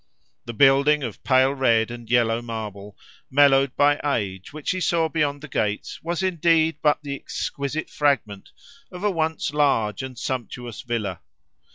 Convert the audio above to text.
The building of pale red and yellow marble, mellowed by age, which he saw beyond the gates, was indeed but the exquisite fragment of a once large and sumptuous villa.